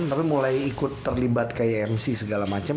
tapi mulai ikut terlibat kayak mc segala macam